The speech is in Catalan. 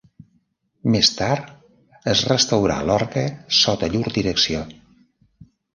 Més tard es restaurà l'orgue sota llur direcció.